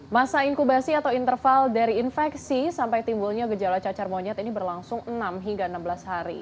masa inkubasi atau interval dari infeksi sampai timbulnya gejala cacar monyet ini berlangsung enam hingga enam belas hari